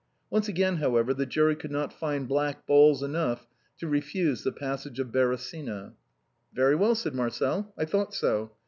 Once again, however, the jury could not find black balls enough to refuse " The Passage of the Beresina." " Very well," said Marcel, " I thought so